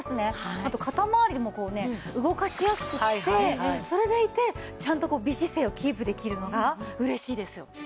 あと肩回りもこうね動かしやすくってそれでいてちゃんと美姿勢をキープできるのが嬉しいですよ。